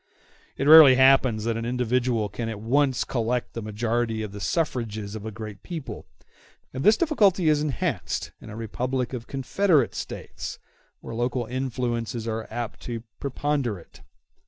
It rarely happens that an individual can at once collect the majority of the suffrages of a great people; and this difficulty is enhanced in a republic of confederate States, where local influences are apt to preponderate.